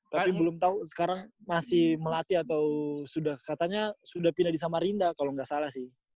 tapi belum tau sekarang masih ngelatih atau sudah katanya sudah pindah di samarinda kalo gak salah sih